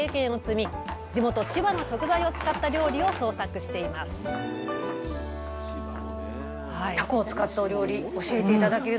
地元千葉の食材を使った料理を創作していますたこ